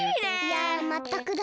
いやまったくだ。